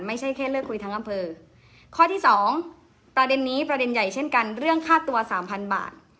ไม่ใช่แค่เลือกคุยทั้งอำเภอข้อที่สองประเด็นนี้ประเด็นใหญ่เช่นกันเรื่องค่าตัวสามพันบาท